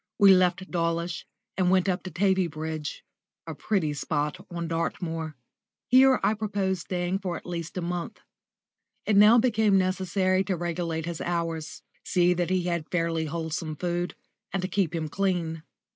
We left Dawlish and went up to Tavybridge a pretty spot on Dartmoor. Here I proposed staying for at least a month. It now became necessary to regulate his hours, see that he had fairly wholesome food, and keep him clean.